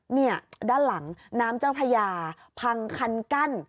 เนี่ยด้านหลังน้ำเจ้าพระยาพังคันกั้น